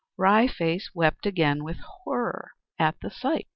Wry Face wept again with horror at the sight.